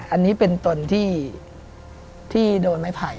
อันนี้เป็นตนที่โดนไม้ไผ่